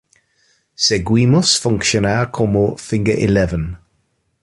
Seguimos funcionar como Finger Eleven.